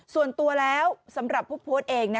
ส่วนตัวแล้วสำหรับผู้โพสต์เอง